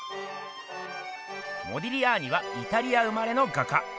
モディリアーニはイタリア生まれの画家。